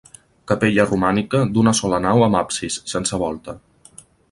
Capella romànica d'una sola nau amb absis, sense volta.